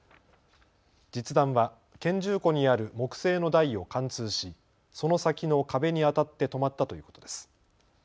実弾は拳銃庫にある木製の台を貫通し、その先の壁に当たって止まったということです。